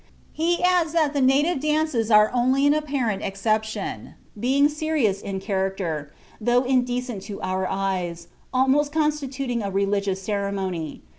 He adds that the native dances are only an apparent exception, being serious in character, though indecent to our eyes, almost constituting a religious ceremony.